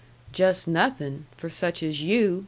"Just nothing for such as you!"